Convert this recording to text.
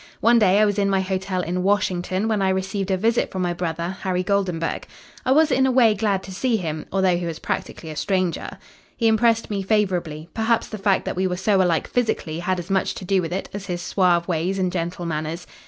One day I was in my hotel in Washington when I received a visit from my brother Harry Goldenburg. I was in a way glad to see him, although he was practically a stranger. He impressed me favourably perhaps the fact that we were so alike physically had as much to do with it as his suave ways and gentle manners.